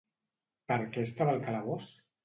Per què estava al calabós?